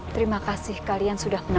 terima kasih kalian sudah kenal